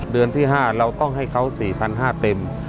เดือนที่๕เราต้องให้เขา๔๕๐๐เต็ม